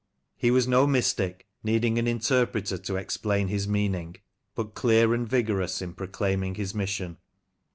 He was no mystic, needing an interpreter to explain his meaning, but clear and vigorous in proclaiming his mission.